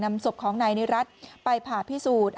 นำศพของในในรัฐไปผ่าพิสูจน์